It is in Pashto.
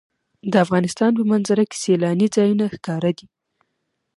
د افغانستان په منظره کې سیلاني ځایونه ښکاره دي.